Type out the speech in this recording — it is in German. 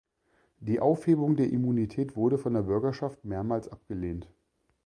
Die Aufhebung der Immunität wurde von der Bürgerschaft mehrmals abgelehnt.